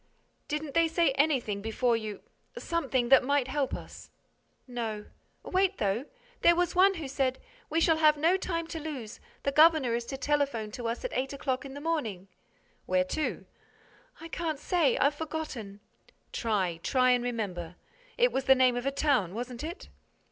"Didn't they say anything before you—something that might help us?" "No—wait, though: there was one who said, 'We shall have no time to lose—the governor is to telephone to us at eight o'clock in the morning—'" "Where to?" "I can't say.—I've forgotten—" "Try—try and remember. It was the name of a town, wasn't it?"